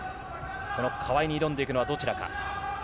その川井に挑んでいくのはどちらか。